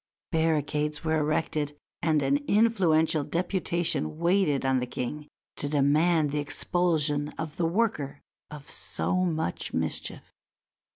Barricades were erected and an influential deputation waited on the King to demand the expulsion of the worker of so much mischief.